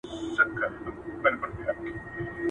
هغه خپل ټول دوستان له لاسه ورکړي دي.